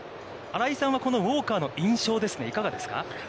新井さんはこのウオーカーの印象はいかがですか。